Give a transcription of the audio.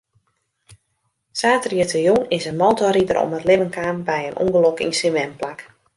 Saterdeitejûn is in motorrider om it libben kaam by in ûngelok yn syn wenplak.